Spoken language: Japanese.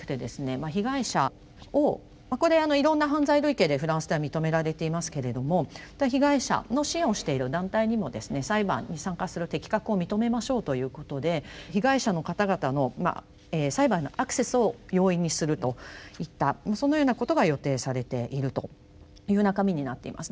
まあ被害者をこれいろいろな犯罪類型でフランスでは認められていますけれども被害者の支援をしている団体にもですね裁判に参加する適格を認めましょうということで被害者の方々の裁判のアクセスを容易にするといったそのようなことが予定されているという中身になっています。